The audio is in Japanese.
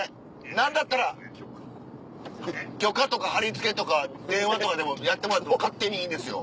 何だったら許可とかはりつけとか電話とかでもやってもらっても勝手にいいんですよ。